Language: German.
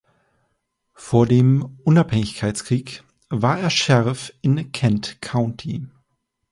Vor dem Unabhängigkeitskrieg war er Sheriff im Kent County.